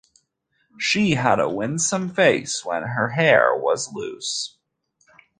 She had a winsome face when her hair was loose.